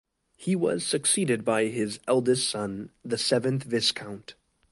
He was succeeded by his eldest son, the seventh Viscount.